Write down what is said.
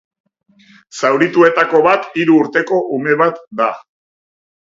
Zaurituetako bat hiru urteko ume bat da.